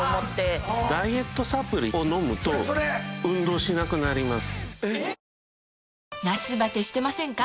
ダイエットサプリを飲むと運動しなくなります。